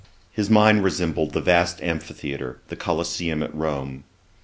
His mind resembled the vast amphitheatre, the Colisaeum at Rome.